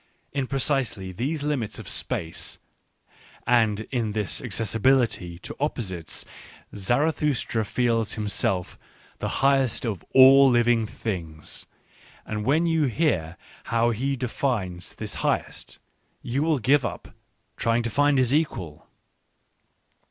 In precisely these limits of space and in this accessibility to opposites Zarathustra feels himself the hi ghest ofjglLliuing things : and when you hear how ne defines this highest, you will give up trying to find his equal.